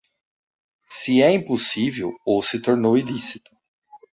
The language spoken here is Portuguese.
Se é impossível ou se tornou ilícito.